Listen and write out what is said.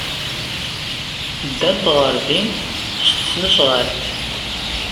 Ddant ɣer din s tesnasɣalt.